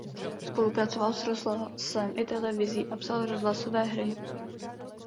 Spolupracoval s rozhlasem i televizí a psal rozhlasové hry.